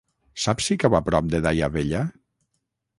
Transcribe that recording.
Saps si cau a prop de Daia Vella?